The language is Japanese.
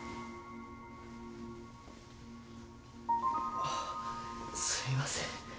あすいません。